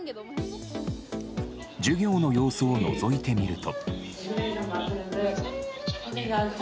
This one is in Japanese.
授業の様子をのぞいてみると。